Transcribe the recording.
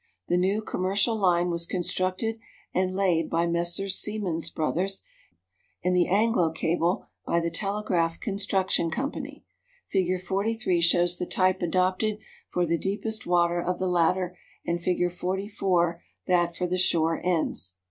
The new "Commercial" line was constructed and laid by Messrs. Siemens Brothers, and the "Anglo" cable by the Telegraph Construction Company. Fig. 43 shows the type adopted for the deepest water of the latter, and Fig. 44 that for the shore ends.